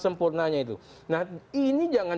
sempurnanya itu nah ini jangan